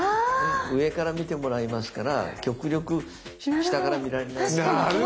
上から見てもらいますから極力下から見られないように。